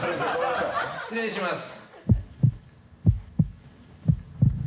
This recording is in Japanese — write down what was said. ・失礼します。